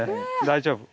大丈夫。